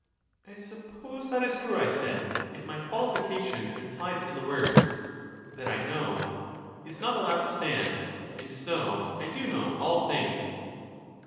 I suppose that is true, I said, if my qualification implied in the words, " that I know," is not allowed to stand ; and so I do know all things.